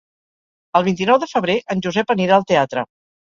El vint-i-nou de febrer en Josep anirà al teatre.